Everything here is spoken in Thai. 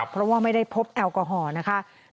เพราะว่าไม่ได้พบแอลกอฮอล์นะคะ